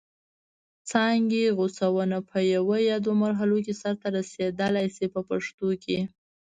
څانګې غوڅونه په یوه یا دوه مرحلو کې سرته رسیدلای شي په پښتو کې.